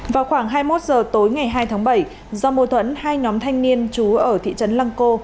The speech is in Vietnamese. vào khoảng hai mươi một h tối ngày hai tháng bảy do mô thuẫn hai nhóm thanh niên chú ở thị trấn lăng cô